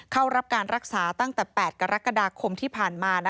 เข้ารับการรักษาตั้งแต่๘กรกฎาคมที่ผ่านมา